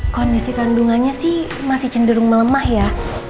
kondisi kandungannya sih masih cenderung melemah ya